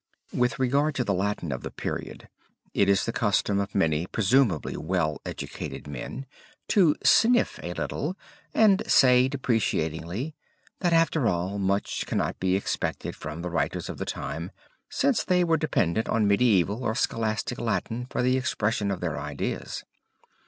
With regard to the Latin of the period it is the custom of many presumably well educated men to sniff a little and say deprecatingly, that after all much cannot be expected from the writers of the time, since they were dependent on medieval or scholastic Latin for the expression of their ideas.